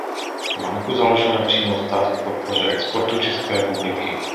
Banku založil nepřímo stát k podpoře exportu České republiky.